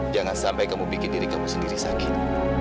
jangan sampai kamu bikin diri kamu sendiri sakit